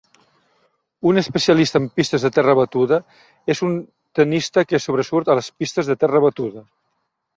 Un especialista en pistes de terra batuda és un tennista que sobresurt a les pistes de terra batuda.